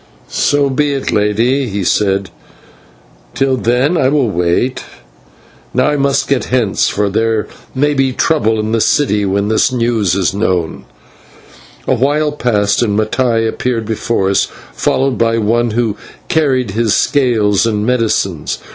"So be it, Lady," he said, "till then I wait. And now I must get hence, for there may be trouble in the city when this news reaches it." A while passed, and Mattai appeared before us, followed by one who carried his scales and medicines.